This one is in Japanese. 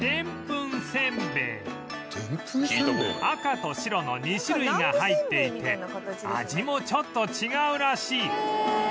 赤と白の２種類が入っていて味もちょっと違うらしい